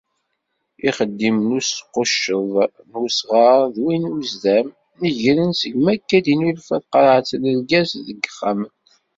Ixeddim n usqucceḍ n usɣar d win n uzdam neggren segmi akka i d-tennulfa tqerɛet n lgaz deg yixxamen.